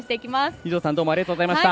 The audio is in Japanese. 二條さん、どうもありがとうございました。